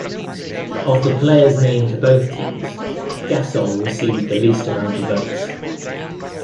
Of the players named to both teams, Gasol received the least amount of votes.